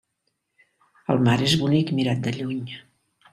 El mar és bonic mirat de lluny.